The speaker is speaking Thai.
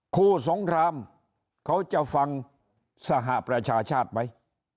คู่สงครามเขาจะฟังสหประชาชาติไหม